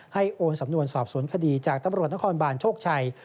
โอนสำนวนสอบสวนคดีจากตำรวจนครบานโชคชัย